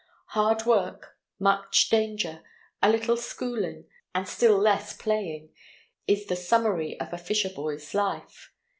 Hard work, much danger, a little schooling, and still less playing is the summary of a fisher boy's life.